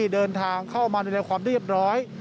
เดินทางเข้ามาดูแลความเรียบร้อย